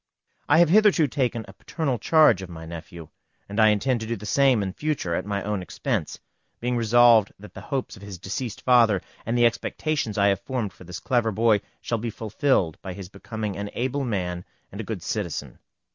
I have hitherto taken a paternal charge of my nephew, and I intend to do the same in future at my own expense, being resolved that the hopes of his deceased father, and the expectations I have formed for this clever boy, shall be fulfilled by his becoming an able man and a good citizen.